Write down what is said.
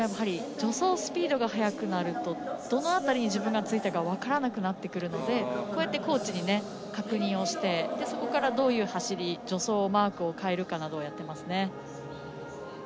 助走スピードが速くなるとどの辺りに自分がついたか分からなくなってくるのでこうやってコーチに確認をしてそこからどういう走り助走マークを変えるかなどをやってますね。